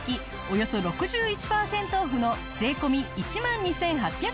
およそ６１パーセントオフの税込１万２８００円。